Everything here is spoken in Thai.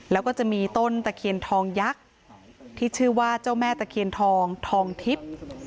แล้วก็จะมีต้นตะเคียนทองยักษ์ที่ชื่อว่าเจ้าแม่ตะเคียนทองทองทิพย์